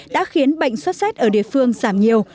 đã khiến bệnh sốt xét ở địa phương giảm nhiều